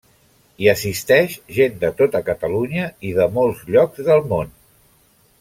Hi assisteix gent de tota Catalunya i de molts llocs del món.